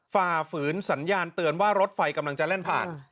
ฝ่าฝืนสัญญาณเตือนว่ารถไฟกำลังจะแล่นผ่าน